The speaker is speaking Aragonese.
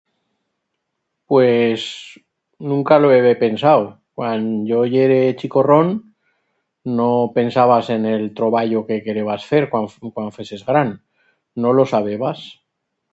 Pues... nunca lo hebe pensau. Cuan yo yere chicorrón no pensabas en el troballo que querebas fer cuan f... cuan fueses gran. No lo sabebas.